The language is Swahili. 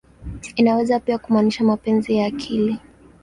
Inaweza pia kumaanisha "mapenzi ya akili.